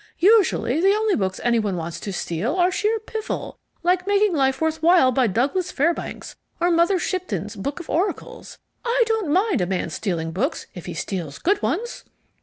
Usually the only books any one wants to steal are sheer piffle, like Making Life Worth While by Douglas Fairbanks or Mother Shipton's Book of Oracles. I don't mind a man stealing books if he steals good ones!"